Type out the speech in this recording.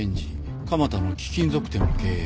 蒲田の貴金属店を経営。